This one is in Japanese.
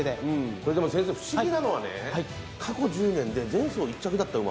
これでも先生不思議なのはね過去１０年で前走１着だった馬は勝ってない。